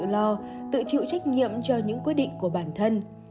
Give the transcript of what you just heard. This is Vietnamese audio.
tự lo tự chịu trách nhiệm cho những quyết định của bản thân